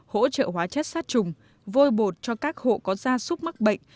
hỗ trợ hóa chất sát trùng vôi bột cho các hộ có gia súc mắc bệnh